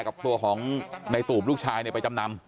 กับตัวของในตูบลูกชายไปจำนำ